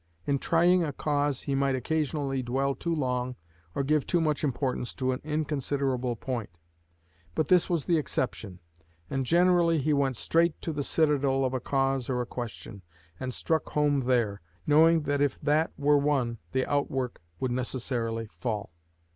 In trying a cause he might occasionally dwell too long or give too much importance to an inconsiderable point; but this was the exception, and generally he went straight to the citadel of a cause or a question, and struck home there, knowing if that were won the outwork would necessarily fall.